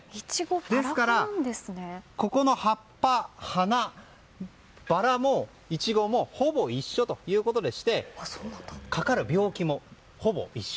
ですからここの葉っぱ、花バラもイチゴもほぼ一緒ということでしてかかる病気も、ほぼ一緒。